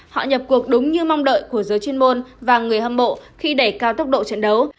họ nhập cuộc đúng như mong đợi của giới chuyên môn và người hâm mộ khi đẩy cao tốc độ trận đấu